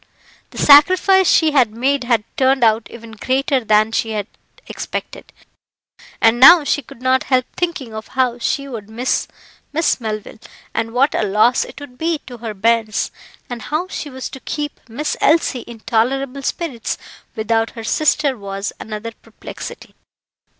The sacrifice she had made had turned out even greater than she had expected, and now she could not help thinking of how she would miss Miss Melville, and what a loss it would be to her bairns; and how she was to keep Miss Elsie in tolerable spirits without her sister was another perplexity.